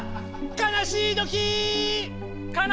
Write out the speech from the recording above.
かなしいときー！